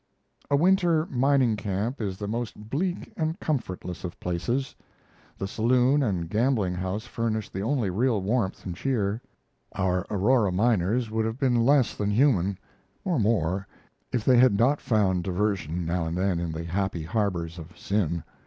A winter mining camp is the most bleak and comfortless of places. The saloon and gambling house furnished the only real warmth and cheer. Our Aurora miners would have been less than human, or more, if they had not found diversion now and then in the happy harbors of sin.